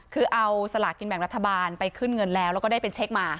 คือเอาสลากกินแบ่งรัฐบาลไปขึ้นเงินแล้วแล้วก็ได้เป็นเช็คมา